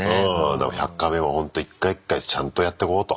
だから「１００カメ」もほんと一回一回ちゃんとやってこうと。